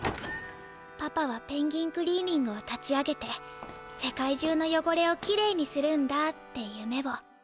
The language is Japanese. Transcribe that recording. パパはペンギンクリーニングを立ち上げて世界中のよごれをキレイにするんだってゆめを。